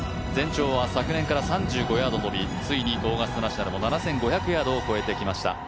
全長は昨年から３５ヤード伸び、ついにオーガスタ・ナショナルも７５００ヤードを超えてきました。